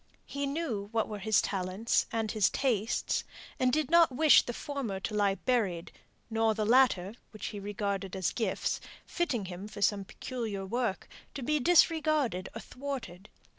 He knew what were his talents and his tastes; and did not wish the former to lie buried, nor the latter, which he regarded as gifts, fitting him for some peculiar work, to be disregarded or thwarted.